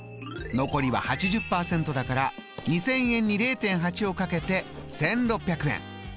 残りは８０％だから２０００円に０．８を掛けて１６００円。